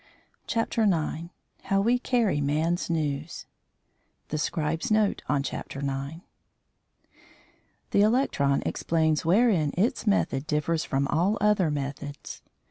CHAPTER IX HOW WE CARRY MAN'S NEWS THE SCRIBE'S NOTE ON CHAPTER NINE The electron explains wherein its method differs from all other methods.